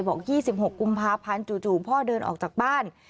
๒๖กุมภาพันธ์จู่พ่อเดินออกจากบ้าน